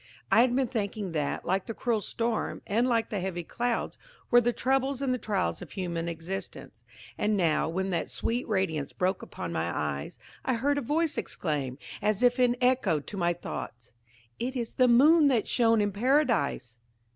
I had been thinking that, like the cruel storm, and like the heavy clouds, were the troubles and the trials of human existence: and now, when that sweet radiance broke upon my eyes, I heard a voice exclaim, as if in echo to my thoughts–"It is the moon that shone in Paradise!"